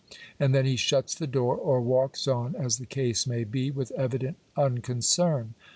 And then he shuts the door, or walks on, as the ease may he, with evident unconcern.